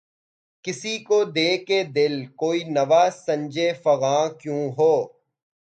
کسی کو دے کے دل‘ کوئی نوا سنجِ فغاں کیوں ہو؟